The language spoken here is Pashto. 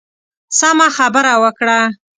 سمه خبره وکړه.